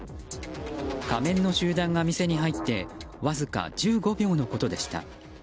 仮面の集団が店に入ってわずか１５秒のことでした。